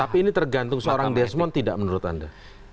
tapi ini tergantung seorang desmond tidak menurut anda